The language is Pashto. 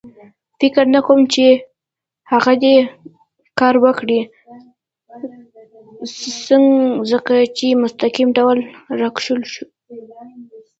فکر نه کوم چې هغه دې کار وکړي، ځکه په مستقیم ډول را کشول.